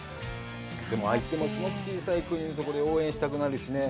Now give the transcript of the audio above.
でも、相手もすごく小さい国のところで応援したくなるしね。